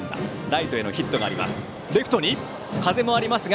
ライトへのヒットがありました。